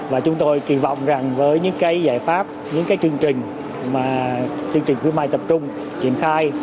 và chúng tôi kỳ vọng rằng với những cái giải pháp những cái chương trình mà chương trình khuyến mại tập trung triển khai